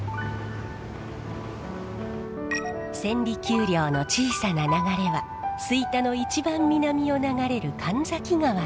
千里丘陵の小さな流れは吹田の一番南を流れる神崎川に。